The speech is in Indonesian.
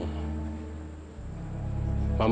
ini adalah keinginan mama kamu